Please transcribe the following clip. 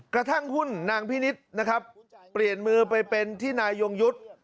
กระทั่งหุ้นนางพินิษฐ์นะครับเปลี่ยนมือไปเป็นที่นายยงยุทธ์